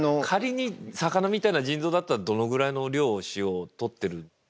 仮に魚みたいな腎臓だったらどのぐらいの量塩をとってる？